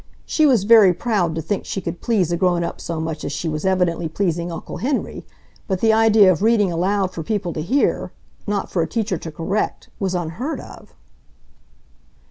She was very proud to think she could please a grown up so much as she was evidently pleasing Uncle Henry, but the idea of reading aloud for people to hear, not for a teacher to correct, was unheard of.